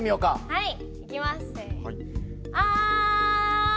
はい！